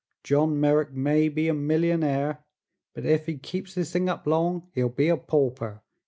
John Merrick may be a millionaire, but ef he keeps this thing up long he'll be a pauper.